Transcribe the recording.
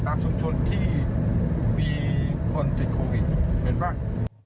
ตามชุมชนที่มีคนติดโควิดเหมือนบ้าง